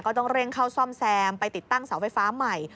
ต้องเร่งเข้าซ่อมแซมไปติดตั้งเสาไฟฟ้าใหม่